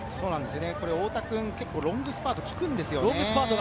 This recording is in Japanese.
太田君、結構ロングスパートがきくんですよね。